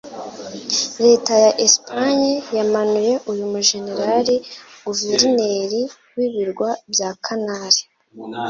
leta ya Espagne yamanuye uyu mujenerali guverineri w’ibirwa bya Canary